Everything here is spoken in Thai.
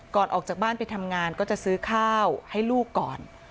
ออกจากบ้านไปทำงานก็จะซื้อข้าวให้ลูกก่อน